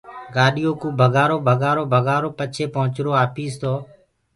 گآڏيو ڪو ڀگآرو بگآرو ڀگآرو پڇي پهنٚچرونٚ آپيٚس تو